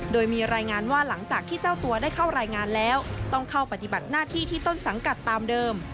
โดยมีรายงานว่าหลังจากที่เจ้าตัวได้เข้ารายงานแล้วต้องเข้าปฏิบัติหน้าที่ที่ต้นสังกัดตามเดิม